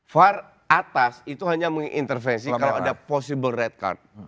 far atas itu hanya mau intervensi kalau ada possible red card